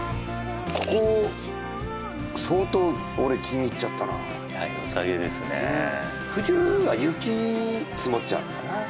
ここ相当俺気に入っちゃったなはいよさげですねねえ冬は雪積もっちゃうんだよな